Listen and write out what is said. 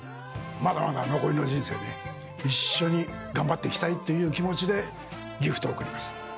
まだまだ残りの人生ね一緒に頑張って行きたいっていう気持ちでギフトを贈ります。